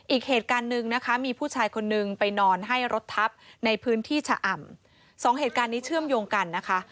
อีกเหตุการณ์หนึ่งนะคะมีผู้ชายคนนึงไปนอนให้รถทับในพื้นที่ชะอ่ำสองเหตุการณ์นี้เชื่อมโยงกันนะคะ